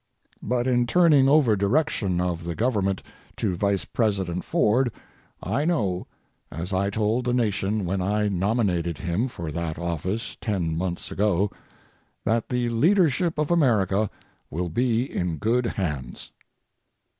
But in turning over direction of the Government to Vice President Ford, I know, as I told the Nation when I nominated him for that office 10 months ago, that the leadership of America will be in good hands.